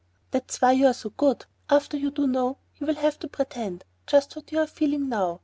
"That's why you are so good! After you do know, you will have to pretend just what you are feeling now.